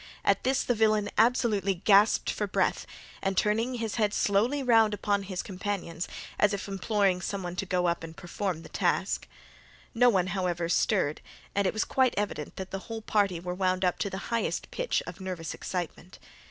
At this the villain absolutely gasped for breath, and turned his head slowly round upon his companions, as if imploring some one to go up and perform the task. No one, however, stirred, and it was quite evident that the whole party were wound up to the highest pitch of nervous excitement.